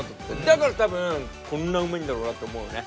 だから多分こんなうまいんだろうなって思うよね。